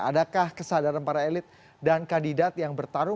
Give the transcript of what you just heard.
adakah kesadaran para elit dan kandidat yang bertarung